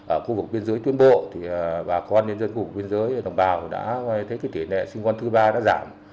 ở khu vực biên giới tuyên bộ bà con nhân dân của biên giới đồng bào đã thấy tỉ nệ sinh con thứ ba đã giảm